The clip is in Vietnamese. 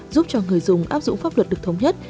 giúp cho người dùng áp dụng pháp luật được thống nhất